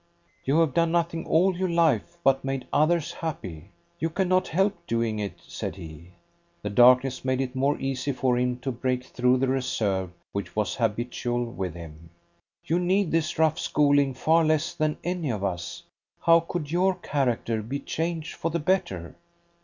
"You have done nothing all your life but made others happy. You cannot help doing it," said he. The darkness made it more easy for him to break through the reserve which was habitual with him. "You need this rough schooling far less than any of us. How could your character be changed for the better?"